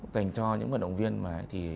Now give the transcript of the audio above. dành cho những vận động viên mà thì